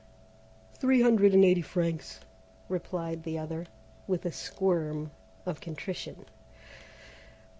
"Three hundred and eighty francs," replied the other, with a squirm of contrition.